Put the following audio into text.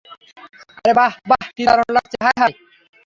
আরে, বাহ বাহ কি দারুন লাগছে, হায় হায়!